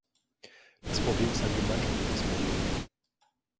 Das Problem ist ein gemeinschaftliches Problem.